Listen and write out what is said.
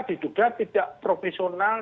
diduga tidak profesional